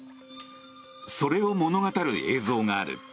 それを物語る映像がある。